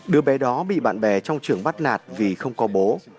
đứa bé đó bị bạn bè trong trường bắt nạt vì không có bố